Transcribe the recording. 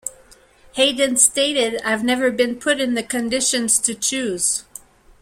Hayden stated I've never been put in the conditions to choose.